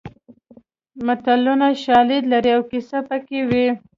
متلونه شالید لري او کیسه پکې وي